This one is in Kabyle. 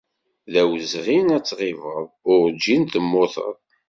D awezɣi ad tɣibeḍ, urǧin temmuteḍ.